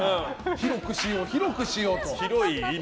広くしよう広くしようって。